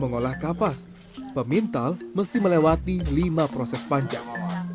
mengolah kapas pemintal mesti melewati lima proses panjang